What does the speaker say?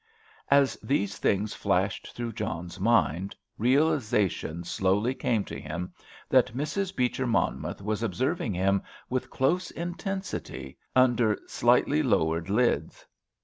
As these things flashed through John's mind, realisation slowly came to him that Mrs. Beecher Monmouth was observing him with close intensity, under slightly lowered lids.